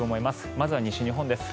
まずは西日本です。